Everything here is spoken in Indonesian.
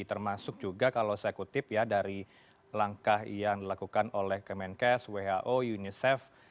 termasuk juga kalau saya kutip ya dari langkah yang dilakukan oleh kemenkes who unicef